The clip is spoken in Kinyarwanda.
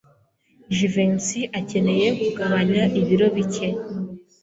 Jivency akeneye kugabanya ibiro bike.